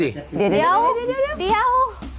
เดี๋ยวเดี๋ยวเดี๋ยว